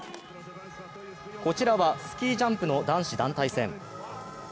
こちらはスキージャンプの男子団体戦。